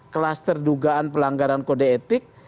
kluster dugaan pelanggaran kode etik